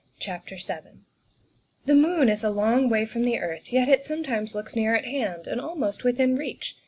66 THE WIFE OF VII THE moon is a long way from the earth, yet it some times looks near at hand and almost within reach.